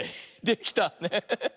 できたね。